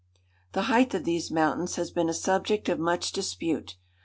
The height of these mountains has been a subject of much dispute.